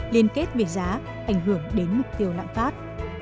liên kết về giá ảnh hưởng đến mục tiêu lạm phát